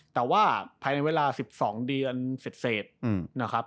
แต่ว่าภายในเวลา๑๒เดือนเสร็จนะครับ